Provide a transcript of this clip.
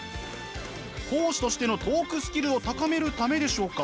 講師としてのトークスキルを高めるためでしょうか？